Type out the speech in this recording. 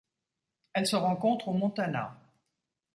Elle se rencontre au Montana.